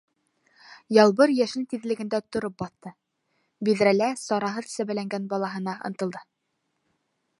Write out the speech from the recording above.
Ялбыр йәшен тиҙлегендә тороп баҫты, биҙрәлә сараһыҙ сәбәләнгән балаһына ынтылды.